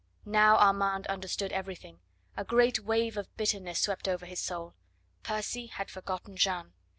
Now Armand understood everything; a great wave of bitterness swept over his soul. Percy had forgotten Jeanne!